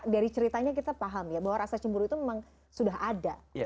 jadi ceritanya kita paham ya bahwa rasa cemburu itu memang sudah ada